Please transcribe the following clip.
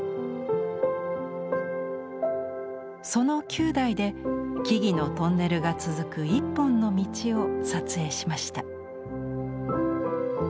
その９台で木々のトンネルが続く一本の道を撮影しました。